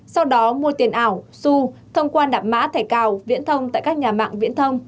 sau đó mua tiền ảo su thông qua đập mã thẻ cào viễn thông tại các nhà mạng viễn thông